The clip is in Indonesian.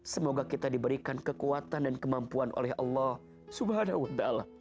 semoga kita diberikan kekuatan dan kemampuan oleh allah swt